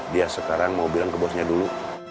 dia sekarang mau bilang ke bosnya dulu